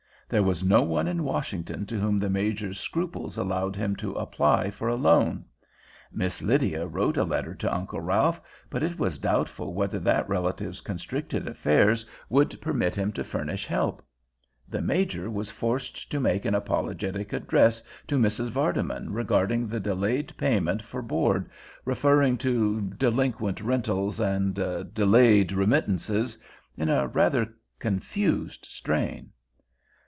There was no one in Washington to whom the Major's scruples allowed him to apply for a loan. Miss Lydia wrote a letter to Uncle Ralph, but it was doubtful whether that relative's constricted affairs would permit him to furnish help. The Major was forced to make an apologetic address to Mrs. Vardeman regarding the delayed payment for board, referring to "delinquent rentals" and "delayed remittances" in a rather confused strain.